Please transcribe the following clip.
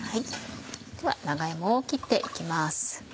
では長芋を切って行きます。